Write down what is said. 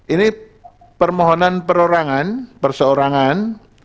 ini permohonan perorangan perseorangan